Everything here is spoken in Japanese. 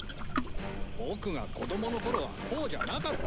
ボクが子どもの頃はこうじゃなかった。